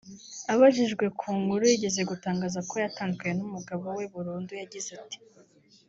Abajijwe ku nkuru yigeze gutangaza ko yatandukanye n’umugabo we burundu yagize ati